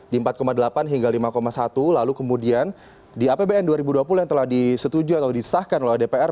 di empat delapan hingga lima satu lalu kemudian di apbn dua ribu dua puluh yang telah disetujui atau disahkan oleh dpr